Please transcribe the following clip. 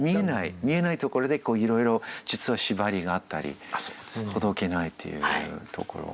見えないところでいろいろ実は縛りがあったりほどけないっていうところ。